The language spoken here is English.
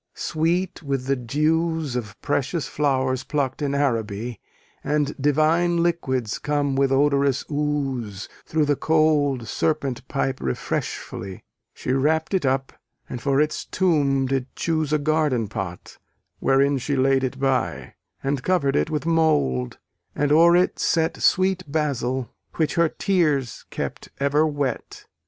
]Then in a silken scarf, sweet with the dews Of precious flowers pluck'd in Araby, And divine liquids come with odorous ooze Through the cold serpent pipe refreshfully, She wrapp'd it up; and for its tomb did choose A garden pot, wherein she laid it by, And covered it with mould, and o'er it set Sweet Basil, which her tears kept ever wet.